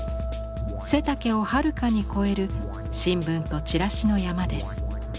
背丈をはるかに超える新聞とチラシの山です。